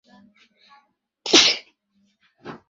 প্রহরীদের হাতে তলোয়ার ছিল, বন্দুক ছিল না।